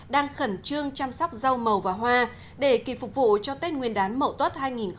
đang khẩn trương chăm sóc rau màu và hoa để kịp phục vụ cho tết nguyên đán mậu tuất hai nghìn hai mươi